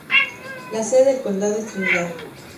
La sede del condado es Trinidad.